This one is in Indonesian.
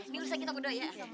nih urusin kita berdua ya